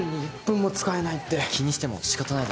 気にしても仕方ないだろ。